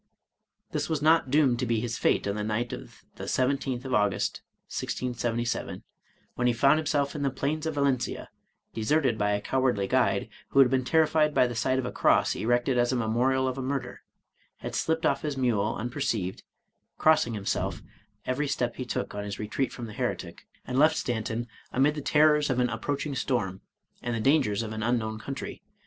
This was not doomed to be his fate on the night of the 17th August 1677, when he found himself in the plains of Valencia, deserted by a cowardly guide, who had been terrified by the sight of a cross erected as a memorial of a murder, had slipped off his mule unperceived, crossing himself every step he took on his retreat from the heretic, and left Stanton amid the terrors of an approaching storm, and the dangers of an unknown country.